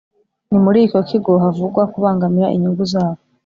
Ni muri icyo kigo havugwa kubangamira inyungu zabo